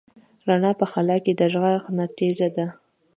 رڼا په خلا کې د غږ نه تېزه ده.